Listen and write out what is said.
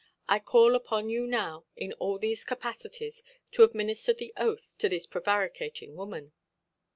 I call upon you now, in all these capacities, to administer the oath to this prevaricating woman".